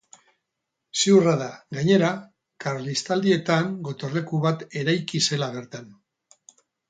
Ziurra da, gainera, Karlistaldietan gotorleku bat eraiki zela bertan.